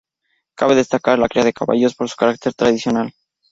Cabe destacar la cría de caballos, por su carácter tradicional.